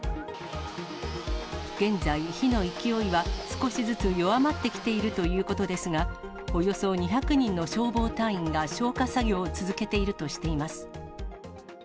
現在、火の勢いは少しずつ弱まってきているということですが、およそ２００人の消防隊員が消火作業を続けているとしています。